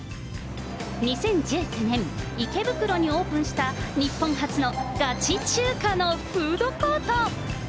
２０１９年、池袋にオープンした、日本初のガチ中華のフードコート。